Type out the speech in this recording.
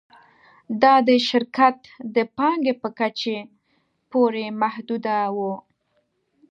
دا د شرکت د پانګې په کچې پورې محدوده وه